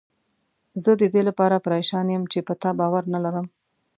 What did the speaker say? زه ددې لپاره پریشان یم چې په تا باور نه لرم.